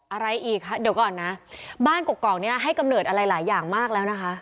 อะไรอีกคะเดี๋ยวก่อนนะบ้านกกอกเนี่ยให้กำเนิดอะไรหลายอย่างมากแล้วนะคะ